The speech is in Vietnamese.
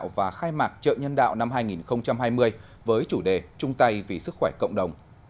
hội chữ thập đỏ tỉnh cũng tổ chức lễ phát động tháng nhân đạo và khai mạc chợ nhân đạo năm hai nghìn hai mươi với chủ đề trung tây vì sức khỏe cộng đồng